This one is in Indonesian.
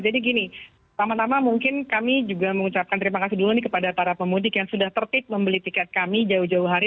jadi gini pertama tama mungkin kami juga mengucapkan terima kasih dulu kepada para pemudik yang sudah tertip membeli tiket kami jauh jauh hari